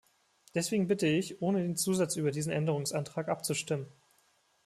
Deswegen bitte ich, ohne den Zusatz über diesen Änderungsantrag abzustimmen.